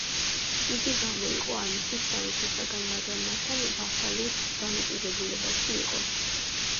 იგი გამოიყო ანისის სამეფოსაგან, მაგრამ მასთან ვასალურ დამოკიდებულებაში იყო.